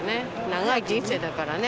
長い人生だからね。